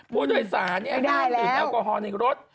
ผู้โดยสารดื่มแอลกอฮอลในรถ